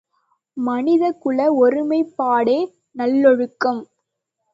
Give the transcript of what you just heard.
மனிதகுல ஒருமைப்பாடே நல்லொழுக்கம்.